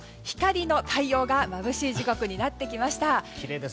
光の太陽がまぶしい時刻になってきました。